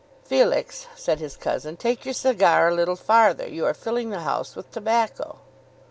"Felix," said his cousin, "take your cigar a little farther. You are filling the house with tobacco."